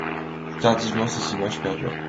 Plus tardivement, ces images perdurent.